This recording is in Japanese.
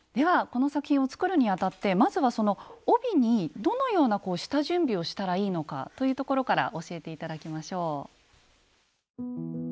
この作品を作るにあたってまずはその帯にどのような下準備をしたらいいのかというところから教えて頂きましょう。